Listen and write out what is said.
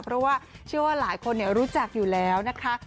เพราะว่าเชื่อว่าหลายคนรู้จักอยู่แล้วนะคะ